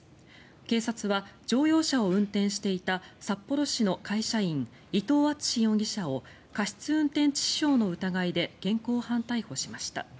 警察は乗用車を運転していた札幌市の会社員伊藤篤容疑者を過失運転致死傷の疑いで現行犯逮捕しました。